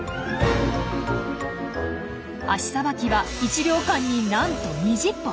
足さばきは１秒間になんと２０歩！